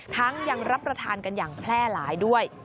ยังรับประทานกันอย่างแพร่หลายด้วย